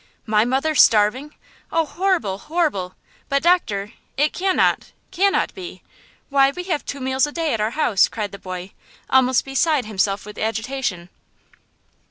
My mother starving! oh, horrible! horrible! But, doctor, it cannot–cannot be! Why, we have two meals a day at our house!" cried the boy, almost beside himself with agitation.